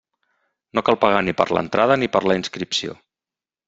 No cal pagar ni per l'entrada ni per la inscripció.